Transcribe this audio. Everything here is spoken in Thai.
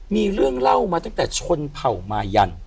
มีเรื่องเล่ามาตั้งแต่ชนเผ่ามายัน